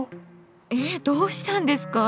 えっどうしたんですか？